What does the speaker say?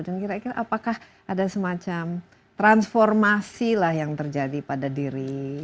dan kira kira apakah ada semacam transformasi lah yang terjadi pada diri